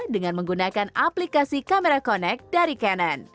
dengan menggunakan aplikasi kamera connect dari cannon